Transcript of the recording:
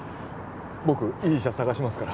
僕いい医者探しますから